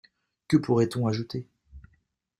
Que pourrait-on ajouter?